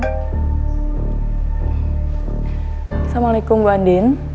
assalamualaikum bu andin